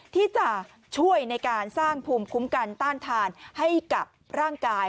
ที่จะช่วยในการสร้างภูมิคุ้มกันต้านทานให้กับร่างกาย